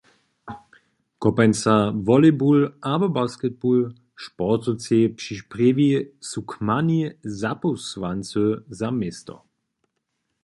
Kopańca, wolejbul abo basketball – sportowcy při Sprjewi su kmani zapósłancy za město.